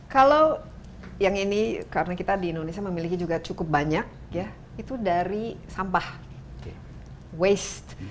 kalau yang ini karena kita di indonesia memiliki juga cukup banyak ya itu dari sampah waste